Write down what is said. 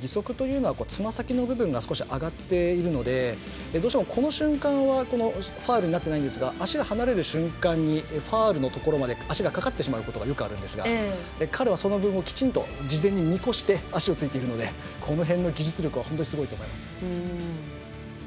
義足というのはつま先の部分が少し、上がっているのでどうしても、この瞬間はファウルになってないんですが足が離れる瞬間にファウルのところまで足がかかってしまうことがよくあるんですが彼はその部分を事前に見越して足をついているのでこの辺の技術力は本当にすごいと思います。